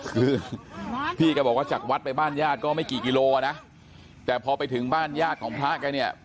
คือพี่แกบอกว่าจากวัดไปบ้านญาติก็ไม่กี่กิโลอ่ะนะแต่พอไปถึงบ้านญาติของพระแกเนี่ย